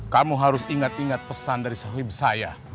kamu harus ingat ingat pesan dari sahib saya